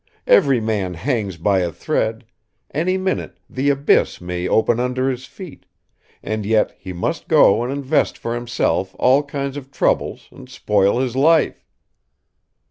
Every man hangs by a thread, any minute the abyss may open under his feet, and yet he must go and invent for himself all kinds of troubles and spoil his life."